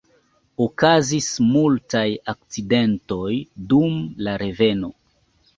Okazis multaj akcidentoj dum la reveno.